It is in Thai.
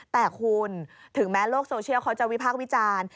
แต่คุณถึงแม้โลกโซเชียลเขาจะวิพากษ์วิจารณ์